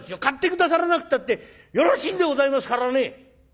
買って下さらなくったってよろしいんでございますからね。